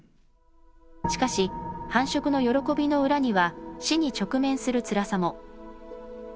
しかし繁殖の喜びの裏には死に直面するつらさも。